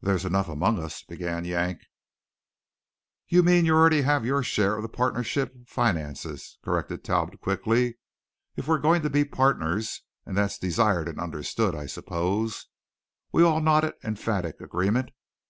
"There's enough among us " began Yank. "You mean you already have your share of the partnership finances," corrected Talbot, quickly. "If we're going to be partners and that's desired and understood, I suppose?" We all nodded emphatic agreement.